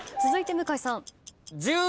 続いて向井さん。